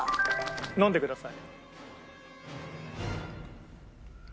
飲んでください。